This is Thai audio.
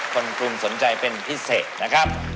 กรุงสนใจเป็นพิเศษนะครับ